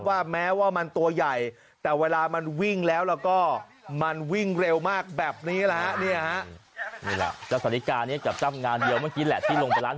ก็เป็นเพื่อนของเจ้างาเดียวนี่แหละ